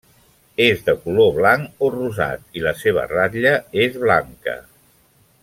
És de color blanc o rosat, i la seva ratlla és blanca.